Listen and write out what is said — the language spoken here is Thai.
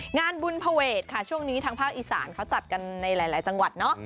งานบุญภเวทค่ะช่วงนี้ทางภาคอีสานเขาจัดกันในหลายจังหวัดเนาะ